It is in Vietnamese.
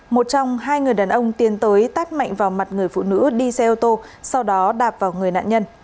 một trong hai người đàn ông tiến tới tát mạnh vào mặt người phụ nữ đi xe ô tô sau đó đạp vào người nạn nhân